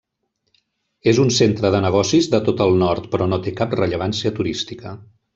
És un centre de negocis de tot el nord però no té cap rellevància turística.